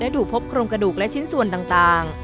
ดูพบโครงกระดูกและชิ้นส่วนต่าง